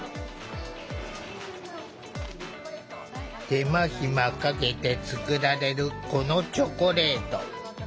手間暇かけて作られるこのチョコレート。